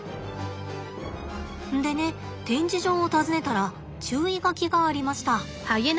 でね展示場を訪ねたら注意書きがありました。